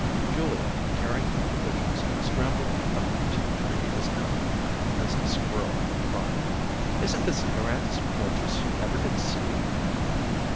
Julia, carrying the provisions, scrambled up into the tree as nimbly as a squirrel, crying: "Isn't this the grandest fortress you ever did see?"